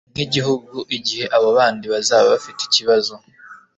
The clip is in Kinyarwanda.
nk'igihugu, igihe abo bandi bazaba bafite ikibazo